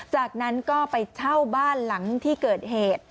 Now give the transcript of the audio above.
จากนั้นก็ไปเช่าบ้านหลังที่เกิดเหตุ